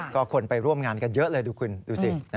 ก็คนไปร่วมงานกันเยอะเลยดูคุณดูสิ